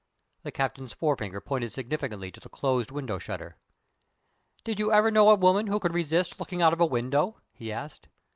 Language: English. The captain's forefinger pointed significantly to the closed window shutter. "Did you ever know a woman who could resist looking out of window?" he asked.